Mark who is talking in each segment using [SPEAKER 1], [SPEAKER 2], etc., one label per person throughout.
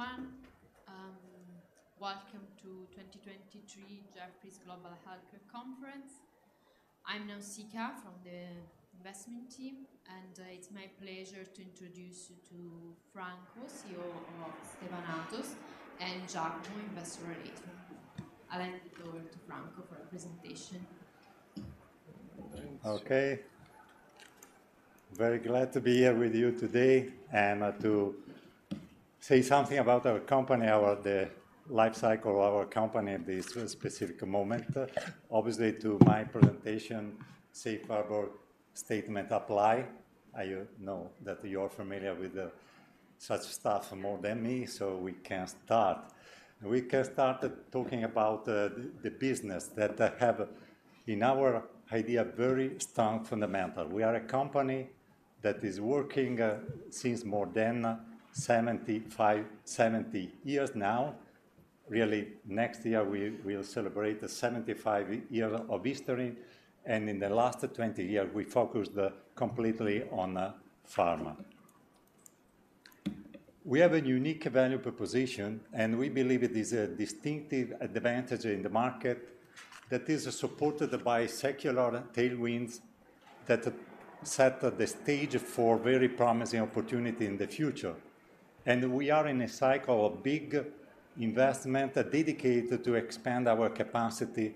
[SPEAKER 1] Everyone. Welcome to the 2023 Jefferies Global Healthcare Conference. I'm Nausica from the investment team, and it's my pleasure to introduce you to Franco, CEO of Stevanato, and Giacomo, Investor Relations. I'll hand it over to Franco for a presentation. Thanks.
[SPEAKER 2] Okay. Very glad to be here with you today, and to say something about our company, about the life cycle of our company at this specific moment. Obviously, to my presentation, safe harbor statement apply. I know that you're familiar with the such stuff more than me, so we can start. We can start talking about the business that have, in our idea, very strong fundamental. We are a company that is working since more than 75, 70 years now. Really, next year, we, we'll celebrate the 75-year of history, and in the last 20 years, we focused completely on pharma. We have a unique value proposition, and we believe it is a distinctive advantage in the market that is supported by secular tailwinds that set the stage for very promising opportunity in the future. We are in a cycle of big investment dedicated to expand our capacity,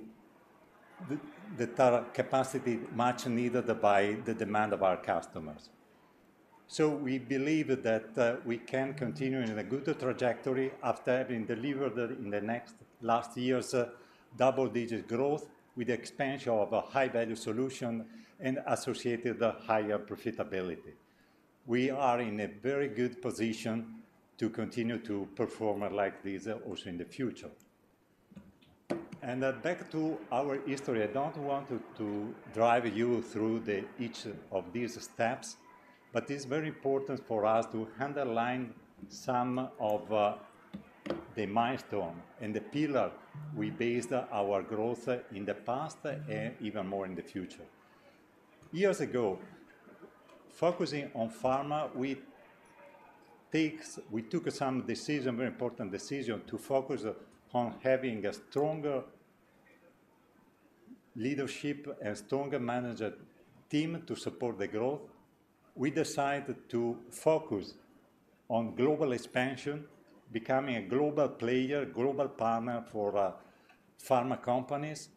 [SPEAKER 2] the capacity much needed by the demand of our customers. We believe that we can continue in a good trajectory after having delivered in the next last year's double-digit growth, with expansion of a high-value solution and associated higher profitability. We are in a very good position to continue to perform like this also in the future. Back to our history, I don't want to drive you through each of these steps, but it's very important for us to underline some of the milestone and the pillar we based our growth in the past and even more in the future. Years ago, focusing on pharma, we took some decision, very important decision, to focus on having a stronger leadership and stronger management team to support the growth. We decided to focus on global expansion, becoming a global player, global partner for pharma companies.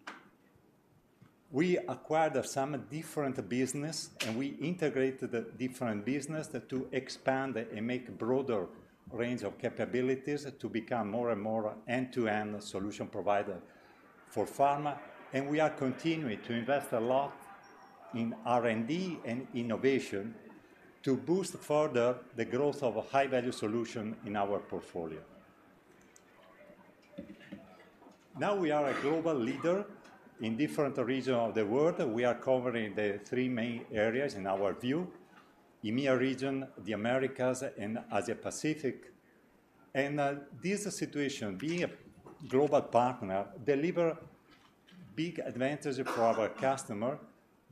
[SPEAKER 2] We acquired some different business, and we integrated the different business to expand and make broader range of capabilities to become more and more end-to-end solution provider for pharma. We are continuing to invest a lot in R&D and innovation to boost further the growth of a high-value solution in our portfolio. Now, we are a global leader in different regions of the world. We are covering the three main areas, in our view: EMEA region, the Americas, and Asia Pacific. This situation, being a global partner, deliver big advantage for our customer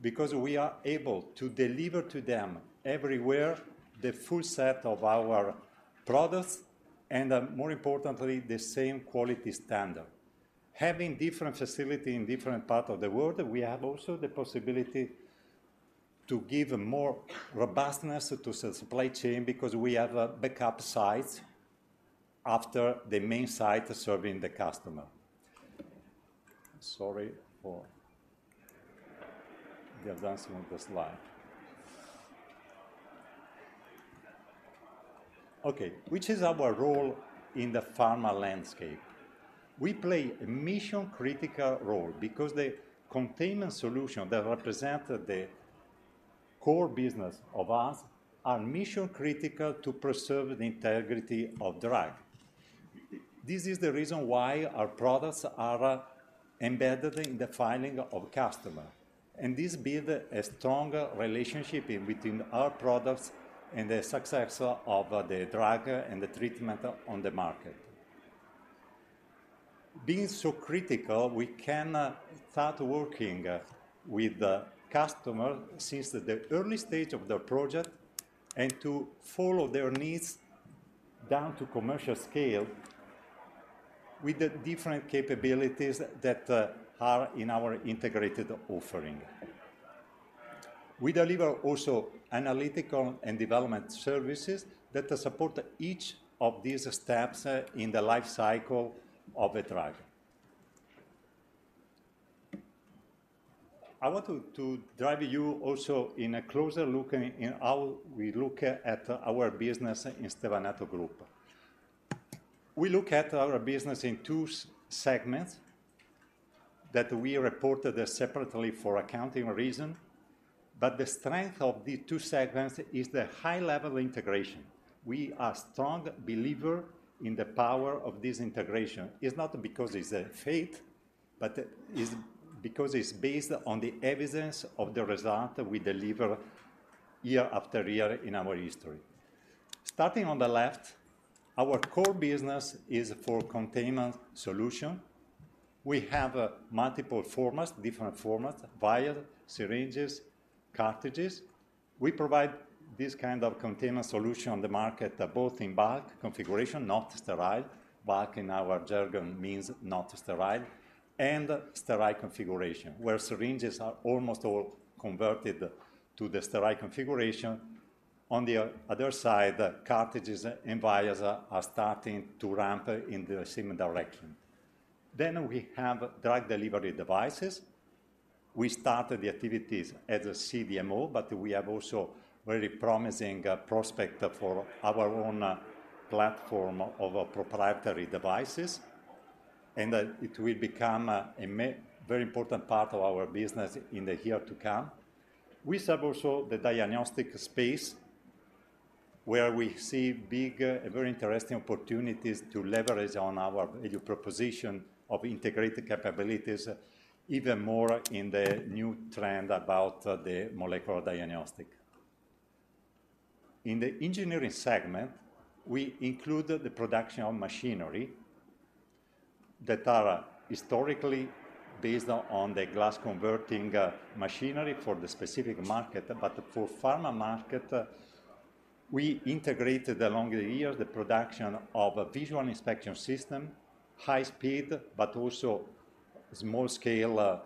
[SPEAKER 2] because we are able to deliver to them everywhere the full set of our products, and, more importantly, the same quality standard. Having different facility in different parts of the world, we have also the possibility to give more robustness to the supply chain because we have, backup sites after the main site serving the customer. Sorry for the advancing of the slide. Okay. Which is our role in the pharma landscape? We play a mission-critical role because the containment solution that represent the core business of us are mission-critical to preserve the integrity of drug. This is the reason why our products are embedded in the filling of customer, and this build a strong relationship between our products and the success of the drug and the treatment on the market. Being so critical, we can start working with the customer since the early stage of the project, and to follow their needs down to commercial scale with the different capabilities that are in our integrated offering. We deliver also analytical and development services that support each of these steps in the life cycle of a drug. I want to drive you also in a closer look in how we look at our business in Stevanato Group. We look at our business in two segments that we reported separately for accounting reason, but the strength of these two segments is the high level of integration. We are strong believer in the power of this integration. It's not because it's a faith, but it's because it's based on the evidence of the result we deliver year after year in our history. Starting on the left, our core business is for containment solution. We have multiple formats, different formats: vial, syringes, cartridges. We provide this kind of container solution on the market, both in bulk configuration, not sterile. Bulk in our jargon means not sterile, and sterile configuration, where syringes are almost all converted to the sterile configuration. On the other side, cartridges and vials are starting to ramp in the same direction. Then we have drug delivery devices. We started the activities as a CDMO, but we have also very promising prospect for our own platform of proprietary devices, and it will become a very important part of our business in the year to come. We serve also the diagnostic space, where we see big, very interesting opportunities to leverage on our value proposition of integrated capabilities, even more in the new trend about the molecular diagnostic. In the engineering segment, we include the production of machinery that are historically based on the glass converting, machinery for the specific market. But for pharma market, we integrated along the years the production of a visual inspection system, high speed, but also small-scale,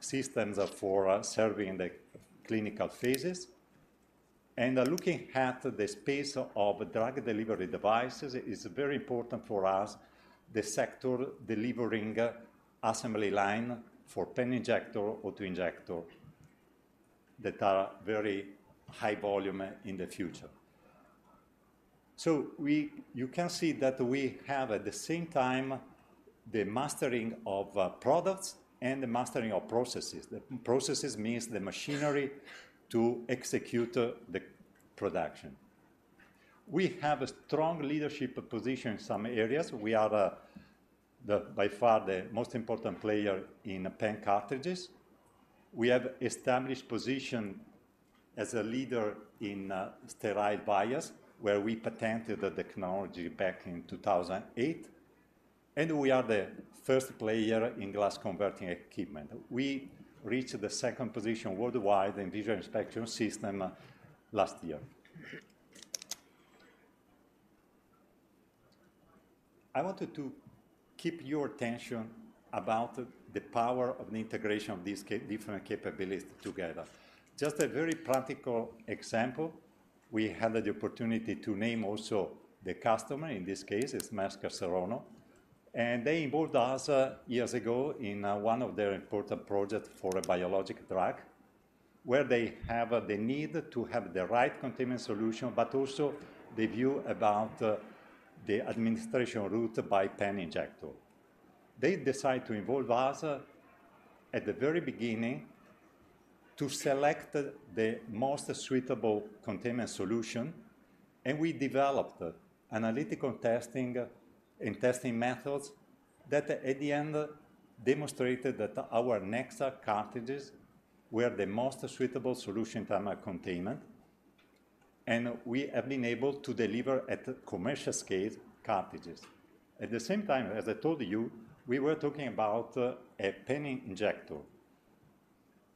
[SPEAKER 2] systems for serving the clinical phases. And looking at the space of drug delivery devices, it's very important for us, the sector delivering assembly line for pen injector, auto-injector, that are very high volume in the future. So we—you can see that we have, at the same time, the mastering of, products and the mastering of processes. The processes means the machinery to execute the production. We have a strong leadership position in some areas. We are by far the most important player in pen cartridges. We have established position as a leader in sterile vials, where we patented the technology back in 2008, and we are the first player in glass converting equipment. We reached the second position worldwide in visual inspection system last year. I wanted to keep your attention about the power of integration of these different capabilities together. Just a very practical example, we had the opportunity to name also the customer. In this case, it's Merck Serono, and they involved us years ago in one of their important project for a biologic drug, where they have the need to have the right containment solution, but also the view about the administration route by pen injector. They decide to involve us at the very beginning to select the most suitable containment solution, and we developed analytical testing and testing methods that at the end, demonstrated that our Nexa cartridges were the most suitable solution in term of containment, and we have been able to deliver at commercial scale, cartridges. At the same time, as I told you, we were talking about a pen injector.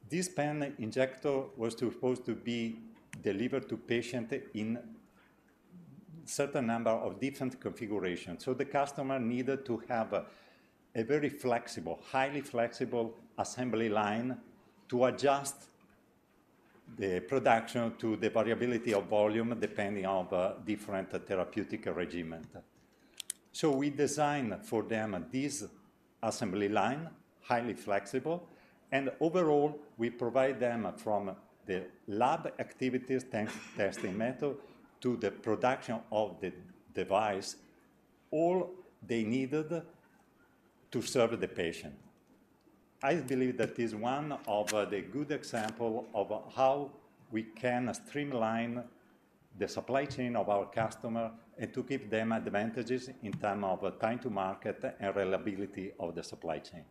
[SPEAKER 2] This pen injector was supposed to be delivered to patient in certain number of different configurations. So the customer needed to have a very flexible, highly flexible assembly line to adjust the production to the variability of volume, depending on the different therapeutic regimen. So we designed for them this assembly line, highly flexible, and overall, we provide them from the lab activities test, testing method to the production of the device, all they needed to serve the patient. I believe that is one of the good example of how we can streamline the supply chain of our customer and to give them advantages in term of time to market and reliability of the supply chain.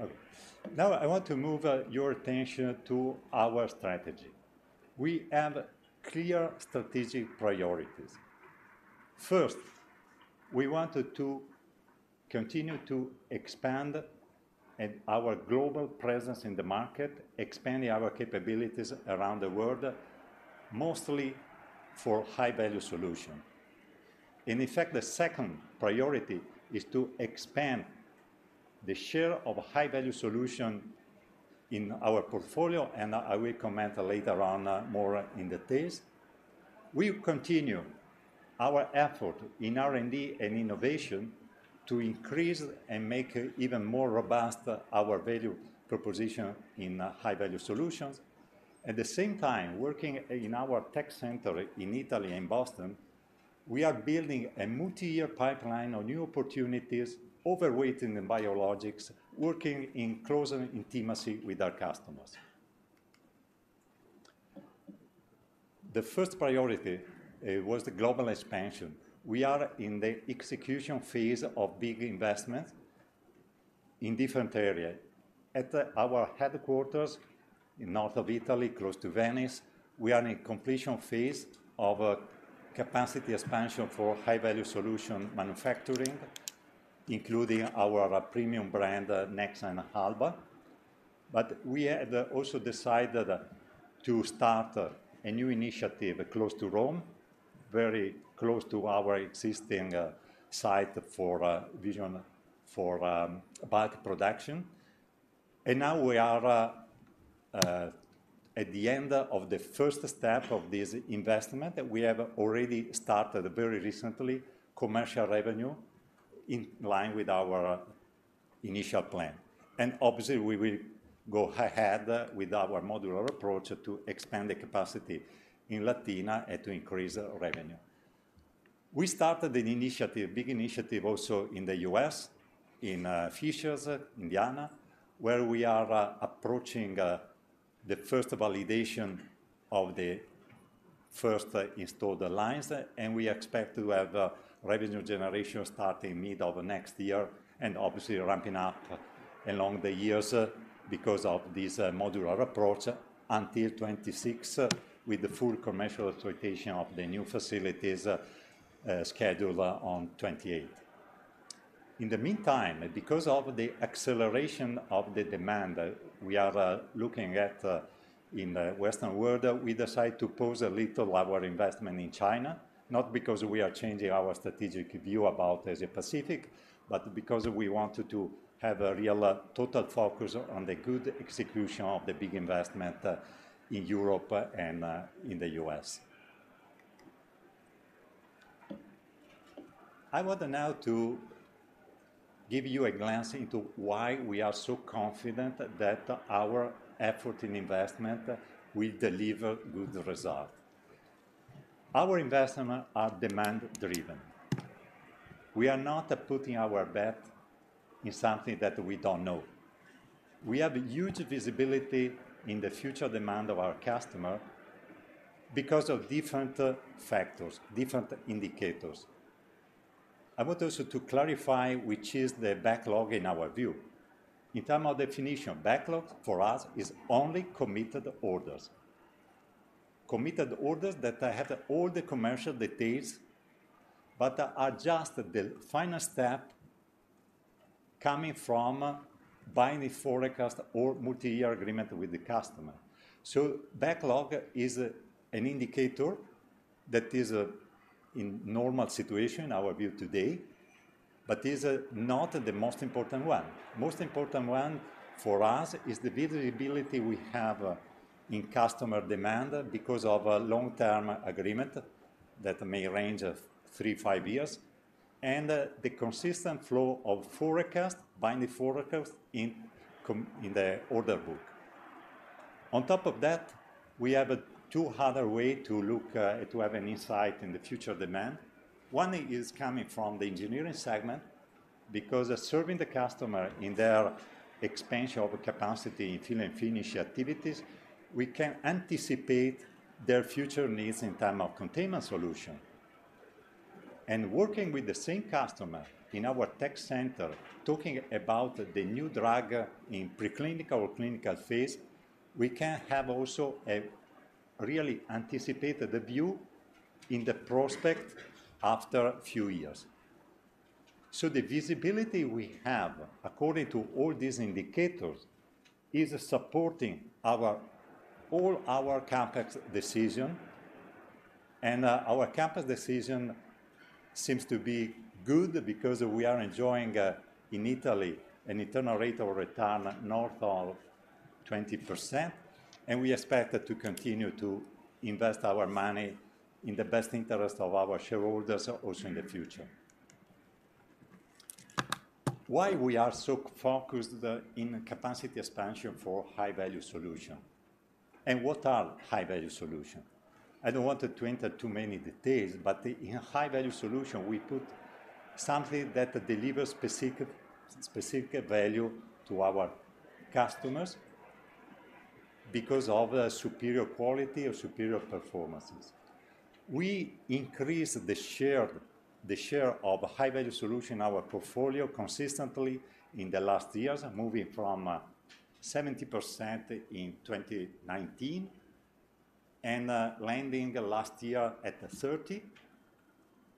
[SPEAKER 2] Okay. Now, I want to move your attention to our strategy. We have clear strategic priorities. First, we wanted to continue to expand at our global presence in the market, expanding our capabilities around the world, mostly for high-value solution. And in fact, the second priority is to expand the share of high-value solution in our portfolio, and I will comment later on, more in the details. We continue our effort in R&D and innovation to increase and make even more robust our value proposition in high-value solutions. At the same time, working in our tech center in Italy and Boston, we are building a multi-year pipeline of new opportunities, overweight in the biologics, working in close intimacy with our customers. The first priority was the global expansion. We are in the execution phase of big investment in different area. At our headquarters in north of Italy, close to Venice, we are in completion phase of a capacity expansion for high-value solution manufacturing, including our premium brand, Nexa, Alba. But we had also decided to start a new initiative close to Rome, very close to our existing site for vials in bulk production. And now we are at the end of the first step of this investment, we have already started very recently commercial revenue in line with our initial plan. And obviously, we will go ahead with our modular approach to expand the capacity in Latina and to increase revenue. We started an initiative, big initiative, also in the U.S., in Fishers, Indiana, where we are approaching the first validation of the first installed lines, and we expect to have revenue generation starting mid of next year, and obviously ramping up along the years, because of this modular approach, until 2026, with the full commercial exploitation of the new facilities, scheduled on 2028. In the meantime, because of the acceleration of the demand, we are looking at, in the Western world, we decide to pause a little our investment in China, not because we are changing our strategic view about Asia Pacific, but because we wanted to have a real, total focus on the good execution of the big investment, in Europe and, in the U.S. I want now to give you a glance into why we are so confident that our effort in investment will deliver good result. Our investment are demand-driven. We are not putting our bet in something that we don't know. We have huge visibility in the future demand of our customer because of different factors, different indicators. I want also to clarify, which is the backlog in our view. In terms of definition, backlog for us is only committed orders. Committed orders that have all the commercial details, but are just the final step coming from binding forecast or multi-year agreement with the customer. So backlog is an indicator that is in normal situation, our view today, but is not the most important one. Most important one for us is the visibility we have in customer demand because of a long-term agreement that may range three to five years, and the consistent flow of forecast, binding forecast in the order book. On top of that, we have two other ways to look to have an insight in the future demand. One is coming from the engineering segment, because serving the customer in their expansion of capacity in fill and finish activities, we can anticipate their future needs in terms of containment solution. Working with the same customer in our tech center, talking about the new drug in preclinical or clinical phase, we can have also a really anticipated view in the prospect after a few years. So the visibility we have, according to all these indicators, is supporting all our CapEx decision, and our CapEx decision seems to be good because we are enjoying in Italy an internal rate of return north of 20%, and we expect to continue to invest our money in the best interest of our shareholders also in the future. Why we are so focused in capacity expansion for high-value solution? What are high-value solution? I don't want to enter too many details, but in high-value solution, we put something that delivers specific, specific value to our customers because of the superior quality or superior performances. We increased the share, the share of high-value solution in our portfolio consistently in the last years, moving from 70% in 2019, and landing last year at 30%,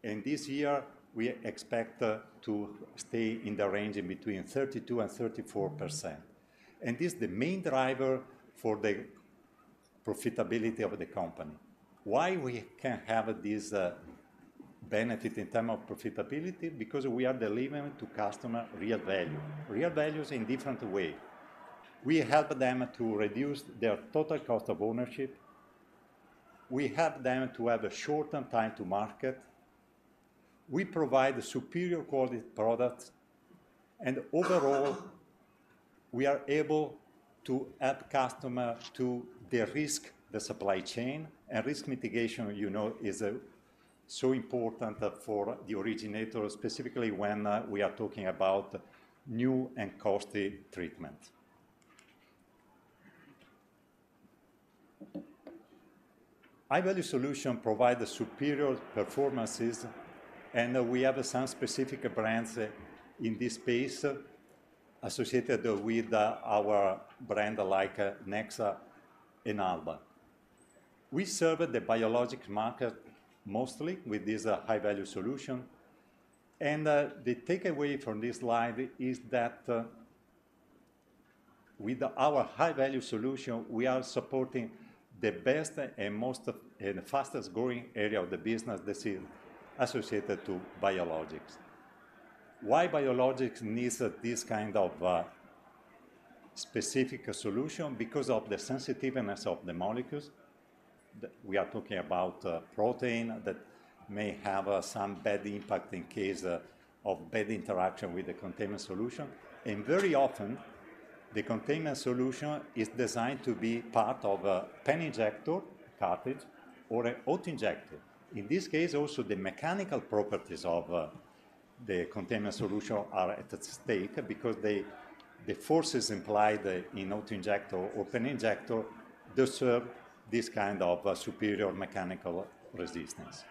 [SPEAKER 2] and this year, we expect to stay in the range in between 32% and 34%. And this is the main driver for the profitability of the company. Why we can have this benefit in terms of profitability? Because we are delivering to customer real value, real values in different way. We help them to reduce their total cost of ownership, we help them to have a shortened time to market, we provide superior quality products, and overall, we are able to help customer to de-risk the supply chain, and risk mitigation, you know, is so important for the originator, specifically when we are talking about new and costly treatment. High-value solution provide a superior performances, and we have some specific brands in this space associated with our brand, like Nexa and Alba. We serve the biologic market mostly with this high-value solution, and the takeaway from this slide is that with our high-value solution, we are supporting the best and most and fastest growing area of the business that is associated to biologics. Why biologics needs this kind of specific solution? Because of the sensitiveness of the molecules that we are talking about, protein that may have some bad impact in case of bad interaction with the containment solution. And very often, the containment solution is designed to be part of a pen injector cartridge or an autoinjector. In this case, also, the mechanical properties of the containment solution are at stake because the forces implied in autoinjector or pen injector deserve this kind of superior mechanical resistance.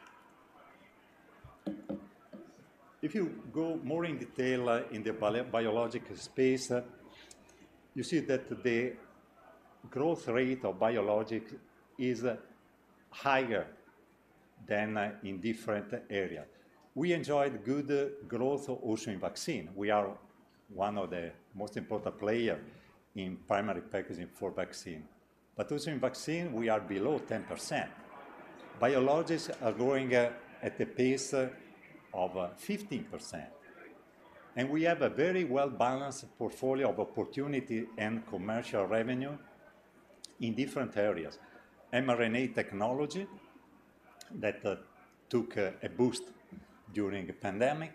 [SPEAKER 2] If you go more in detail in the biologic space, you see that the growth rate of biologic is higher than in different area. We enjoyed good growth also in vaccine. We are one of the most important player in primary packaging for vaccine, but also in vaccine, we are below 10%. Biologics are growing at a pace of 15%, and we have a very well-balanced portfolio of opportunity and commercial revenue in different areas. mRNA technology, that took a boost during the pandemic,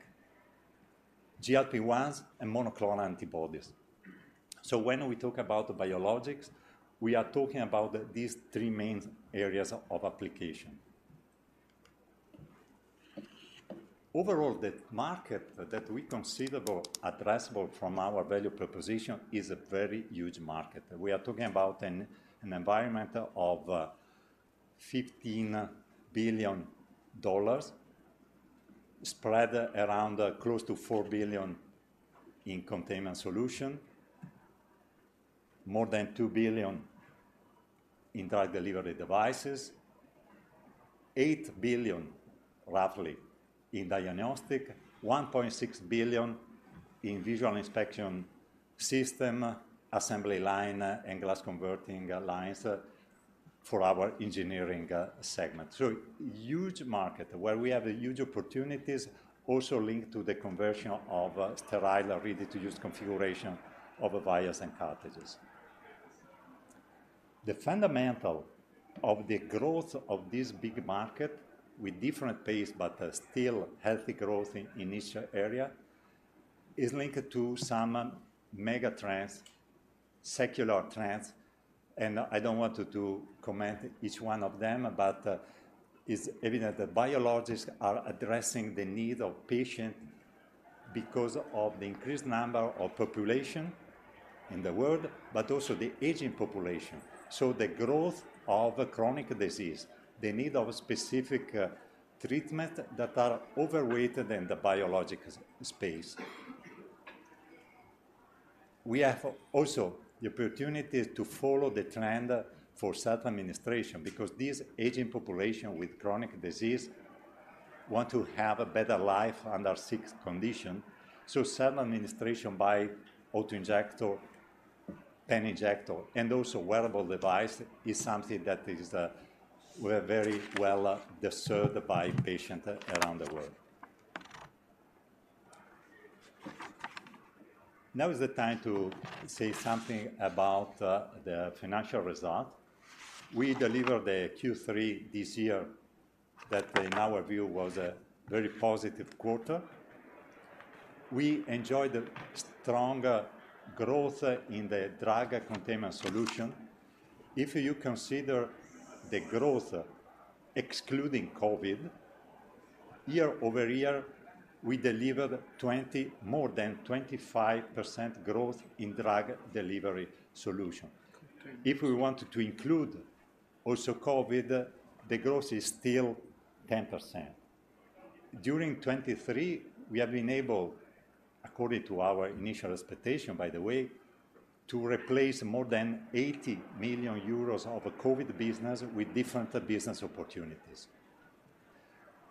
[SPEAKER 2] GLP-1s, and monoclonal antibodies. So when we talk about the biologics, we are talking about these three main areas of application. Overall, the market that we consider addressable from our value proposition is a very huge market. We are talking about an environment of $15 billion spread around close to $4 billion in containment solution, more than $2 billion in drug delivery devices, $8 billion, roughly, in diagnostic, $1.6 billion in visual inspection system, assembly line, and glass converting lines for our engineering segment. So huge market, where we have huge opportunities also linked to the conversion of sterile ready-to-use configuration of vials and cartridges. The fundamental of the growth of this big market, with different pace, but, still healthy growth in initial area, is linked to some mega trends, secular trends, and I don't want to do comment each one of them, but, it's evident that biologics are addressing the need of patient because of the increased number of population in the world, but also the aging population. So the growth of chronic disease, the need of specific, treatment that are overweight in the biologics space. We have also the opportunity to follow the trend for self-administration, because these aging population with chronic disease want to have a better life under sick condition. So self-administration by autoinjector, pen injector, and also wearable device is something that is, very well, deserved by patient around the world. Now is the time to say something about, the financial result. We delivered a Q3 this year, that in our view, was a very positive quarter. We enjoyed a stronger growth in the drug containment solution. If you consider the growth, excluding COVID, year over year, we delivered more than 25% growth in drug delivery solution. If we want to include also COVID, the growth is still 10%. During 2023, we have been able, according to our initial expectation, by the way, to replace more than 80 million euros of COVID business with different business opportunities.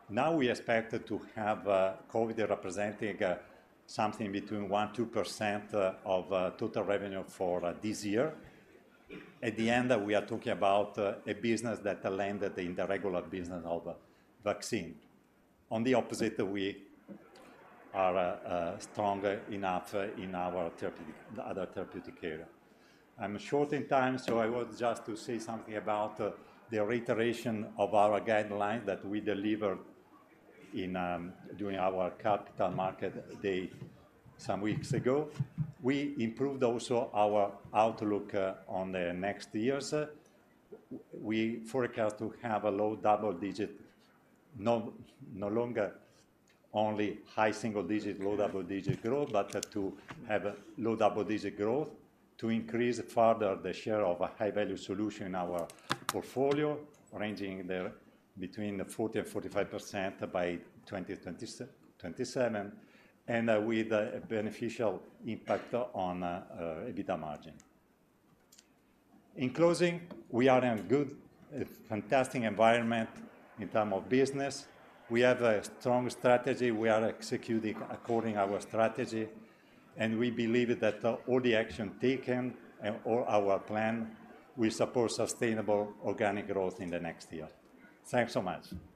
[SPEAKER 2] Now, we expect to have COVID representing something between 1%-2% of total revenue for this year. At the end, we are talking about a business that landed in the regular business of vaccine. On the opposite, we are stronger enough in our therapeutic, other therapeutic area. I'm short in time, so I want just to say something about the reiteration of our guideline that we delivered in during our capital market day some weeks ago. We improved also our outlook on the next years. We forecast to have a low double digit, no, no longer only high single digit, low double digit growth, but to have a low double digit growth, to increase further the share of a high-value solution in our portfolio, ranging between 40% and 45% by 2027, and with a beneficial impact on EBITDA margin. In closing, we are in good, a fantastic environment in terms of business. We have a strong strategy, we are executing according to our strategy, and we believe that all the action taken and all our plan will support sustainable organic growth in the next year. Thanks so much.